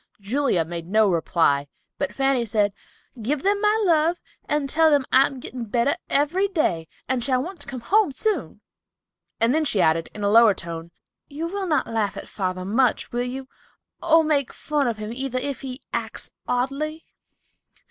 Julia made no reply, but Fanny said, "Give them my love, and tell them I am getting better every day, and shall want to come home soon," and then she added, in a lower tone, "You will not laugh at father much, will you, or make fun of him either, if he acts oddly?"